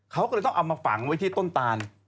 เขาก็เลยต้องเอามาฝังไว้ที่ต้นตาน